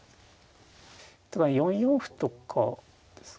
ただ４四歩とかですか。